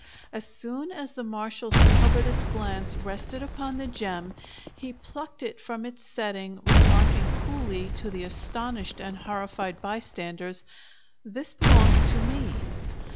As soon as the marshal's covetous glance rested upon the gem, he plucked it from its setting, remarking, coolly, to the astonished and horrified bystanders, "This belongs to me."